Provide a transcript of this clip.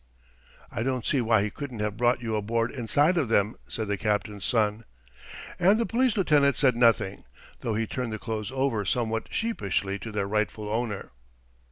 "I don't see why he couldn't have brought you aboard inside of them," said the captain's son. And the police lieutenant said nothing, though he turned the clothes over somewhat sheepishly to their rightful owner.